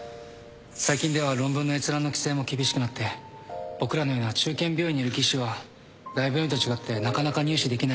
最近では論文の閲覧の規制も厳しくなって僕らのような中堅病院にいる技師は大病院と違ってなかなか入手できないものも多いです。